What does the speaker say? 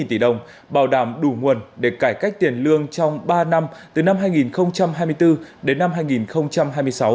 năm mươi tỷ đồng bảo đảm đủ nguồn để cải cách tiền lương trong ba năm từ năm hai nghìn hai mươi bốn đến năm hai nghìn hai mươi sáu